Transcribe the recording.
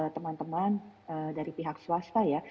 teman teman dari pihak swasta ya